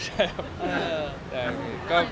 หนังตัวเราใช้บริการ